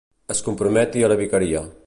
Es comprometi a la vicaria.